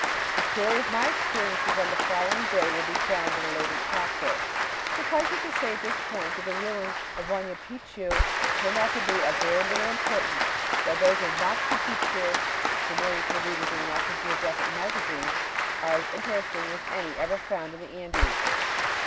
The story of my experiences on the following day will be found in a later chapter. Suffice it to say at this point that the ruins of Huayna Picchu turned out to be of very little importance, while those of Machu Picchu, familiar to readers of the "National Geographic Magazine," are as interesting as any ever found in the Andes.